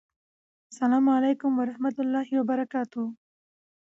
سلام علیکم ورحمته الله وبرکاته